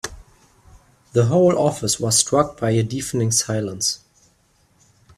The whole office was struck by a deafening silence.